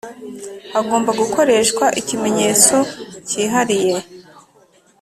hagomba gukoreshwa ikimenyetso kihariye